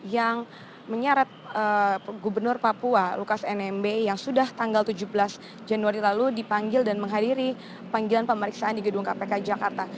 yang menyeret gubernur papua lukas nmb yang sudah tanggal tujuh belas januari lalu dipanggil dan menghadiri panggilan pemeriksaan di gedung kpk jakarta